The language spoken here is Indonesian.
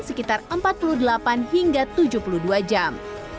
sekitar empat puluh delapan hingga tujuh puluh dua jam